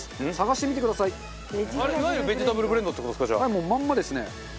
はいもうまんまですね。